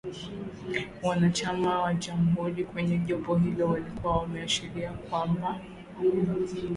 Wanachama wa Jamuhuri kwenye jopo hilo walikuwa wameashiria kwamba